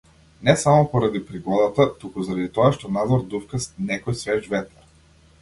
Не само поради пригодата, туку заради тоа што надвор дувка некој свеж ветер.